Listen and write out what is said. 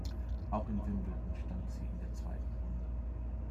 Auch in Wimbledon stand sie in der zweiten Runde.